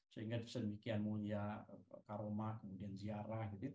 sehingga sedemikian mulia karomah kemudian ziarah